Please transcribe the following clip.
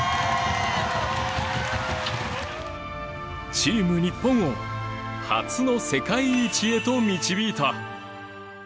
チーム日本を初の世界一へと導いた